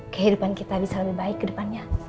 kehidupan kita bisa lebih baik kedepannya